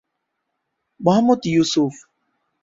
Mohammad Yusuf